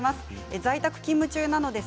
在宅勤務中です。